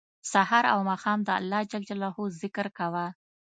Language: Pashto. سهار او ماښام د الله ج ذکر کوه